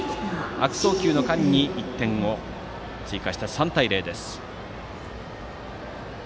悪送球の間に１点を追加して３対０です。